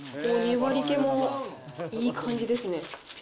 粘り気もいい感じですね。